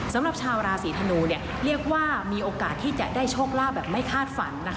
สำหรับชาวราศีธนูเรียกว่ามีโอกาสที่จะได้โชคลาภแบบไม่คาดฝันนะคะ